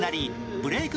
ブレーク